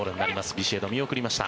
ビシエド、見送りました。